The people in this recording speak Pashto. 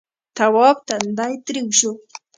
تواب تندی تريو شو.